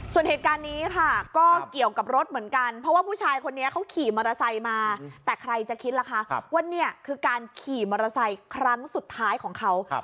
ส่วนเหตุการณ์นี้ค่ะก็เกี่ยวกับรถเหมือนกันเพราะว่าผู้ชายคนนี้เขาขี่มอเตอร์ไซค์มาแต่ใครจะคิดล่ะคะว่าเนี่ยคือการขี่มอเตอร์ไซค์ครั้งสุดท้ายของเขา